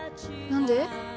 何で？